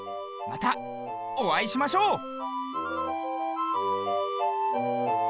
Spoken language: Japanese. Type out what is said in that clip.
またおあいしましょう！